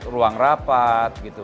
ruang rapat gitu